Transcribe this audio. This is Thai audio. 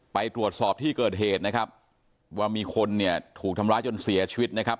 ไปตรวจสอบที่เกิดเหตุนะครับว่ามีคนเนี่ยถูกทำร้ายจนเสียชีวิตนะครับ